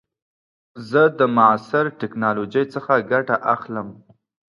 زه د معاصر ټکنالوژۍ څخه ګټه اخلم.